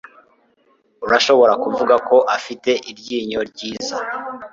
Urashobora kuvuga ko afite iryinyo ryiza.